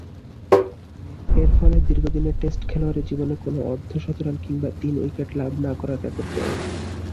এরফলে, দীর্ঘদিনের টেস্ট খেলোয়াড়ী জীবনে কোন অর্ধ-শতরান কিংবা তিন উইকেট লাভ না করার রেকর্ড গড়েন।